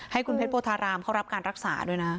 ให้คุณเพชรโพธารามเขารับการรักษาด้วยนะ